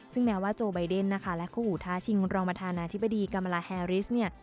ซึ่งแม้ว่าโจไบเดนนะคะและคู่อูท้าชิงรองประธานาธิบดีกรรมลาแฮริสเนี่ย